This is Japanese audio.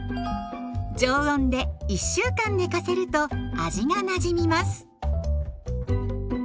常温で１週間寝かせると味がなじみます。